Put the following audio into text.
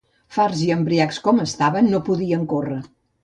Farts i embriacs com estaven, no podien córrer.